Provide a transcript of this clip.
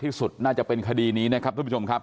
ที่สุดน่าจะเป็นคดีนี้นะครับทุกผู้ชมครับ